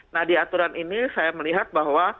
nah di aturan ini saya melihat bahwa